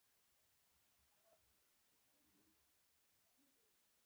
ابو محمد هاشم د زيد سرواني زوی.